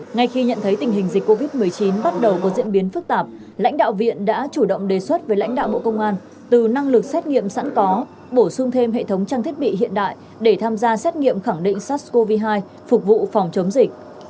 ngay khi nhận thấy tình hình dịch covid một mươi chín bắt đầu có diễn biến phức tạp lãnh đạo viện đã chủ động đề xuất với lãnh đạo bộ công an từ năng lực xét nghiệm sẵn có bổ sung thêm hệ thống trang thiết bị hiện đại để tham gia xét nghiệm khẳng định sars cov hai phục vụ phòng chống dịch